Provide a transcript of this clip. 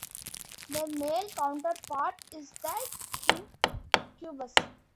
The male counterpart is the incubus.